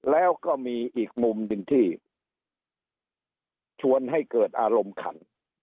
แล้วก็มีอีกมุมหนึ่งที่ชวนให้เกิดอารมณ์ขัน